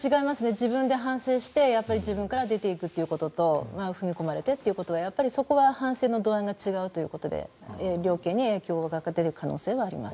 自分で反省して自分から出て行くということと踏み込まれてってことは反省の度合いが違うということで、量刑に影響が出る可能性はあります。